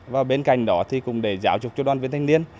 và bên cạnh đó thì cũng để giáo dục cho đoàn viên thanh niên